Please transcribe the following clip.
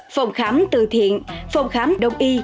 phòng khám từ thiện phòng khám đồng y